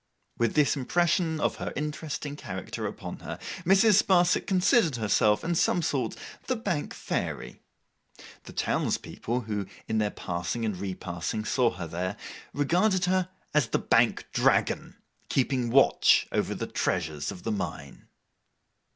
With this impression of her interesting character upon her, Mrs. Sparsit considered herself, in some sort, the Bank Fairy. The townspeople who, in their passing and repassing, saw her there, regarded her as the Bank Dragon keeping watch over the treasures of the mine.